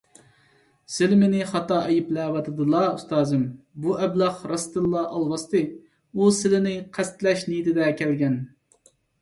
سىلى مېنى خاتا ئەيىبلەۋاتىدىلا، ئۇستازىم، بۇ ئەبلەخ راستتىنلا ئالۋاستى، ئۇ سىلىنى قەستلەش نىيىتىدە كەلگەن.